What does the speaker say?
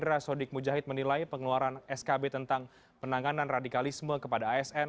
rasodik mujahid menilai pengeluaran skb tentang penanganan radikalisme kepada asn